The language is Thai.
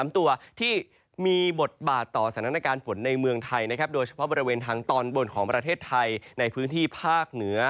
๓ตัวที่มีบทบาทต่อสถานการณ์ฝนในเมืองไทยนะครับโดยเฉพาะบริเวณทางตอนบนของประเทศไทยในพื้นที่ภาคเหนือ